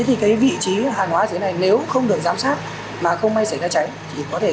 thì cái vị trí hàng hóa dưới này nếu không được giám sát mà không may xảy ra cháy thì có thể dẫn đến là